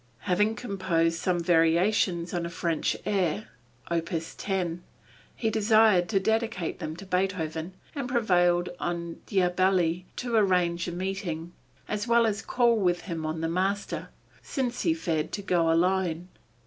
Having composed some variations on a French air (opus 10) he desired to dedicate them to Beethoven and prevailed on Diabelli to arrange a meeting, as well as call with him on the master, since he feared to go alone.